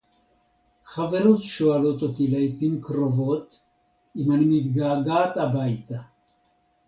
חברות שואלות אותי לעתים קרוובת אם אני מתגעגעת הביתה.